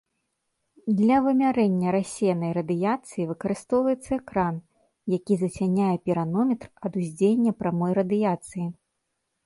Для вымярэння рассеянай радыяцыі выкарыстоўваецца экран, які зацяняе піранометр ад уздзеяння прамой радыяцыі.